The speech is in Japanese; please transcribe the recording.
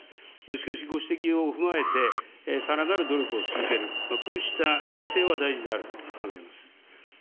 しかし、ご指摘を踏まえてさらなる努力を続ける、こうした姿勢は大事であると考えます。